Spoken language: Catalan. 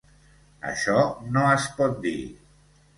Això no es pot dir.